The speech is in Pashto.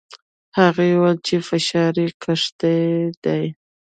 هغه وايي چې فشار يې کښته ديه.